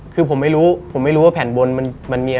ครับผม